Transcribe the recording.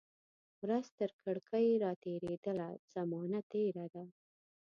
ورځ ترکړکۍ را تیریدله، زمانه تیره ده